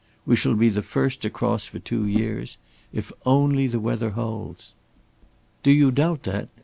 We shall be the first to cross for two years. If only the weather holds." "Do you doubt that?"